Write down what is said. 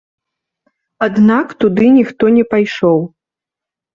Аднак туды ніхто не пайшоў.